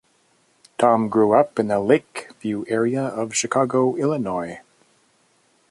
Tom grew up in the Lakeview area of Chicago, Illinois.